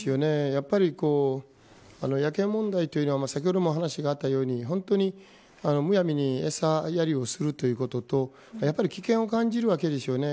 やっぱり、野犬問題というのは先ほどもお話があったように本当にむやみにエサやりをするということと危険を感じるわけですよね。